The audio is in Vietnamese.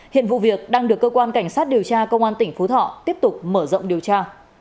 hiện vụ việc đang được cơ quan cảnh sát điều tra công an tỉnh phú thọ tiếp tục mở rộng điều tra